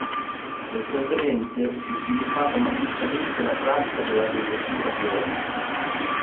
Recentemente si è sviluppata massicciamente la pratica dell'agricoltura biologica.